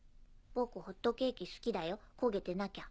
僕ホットケーキ好きだよ焦げてなきゃ。